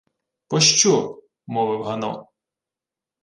— Пощо? — мовив Гано.